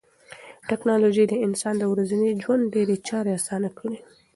ټکنالوژي د انسان د ورځني ژوند ډېری چارې اسانه کړې دي.